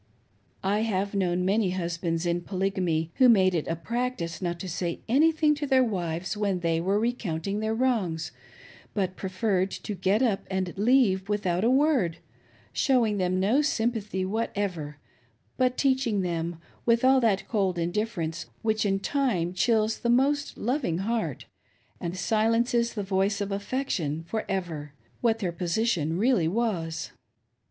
I have known many husbands ui Polygamy who made it a practice not to say anything to thrir wives when they were re counting their wrongs, but pr^ifprrad to get up and leave with out a word — ^showing them Po symj/athy whatever, but teach ing them, with all that cold indifference which in time chills the most loving heart and silences the voice of affection for ever, what their position really was.